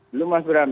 belum mas bram